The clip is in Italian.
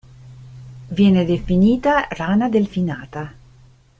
Viene definita rana delfinata.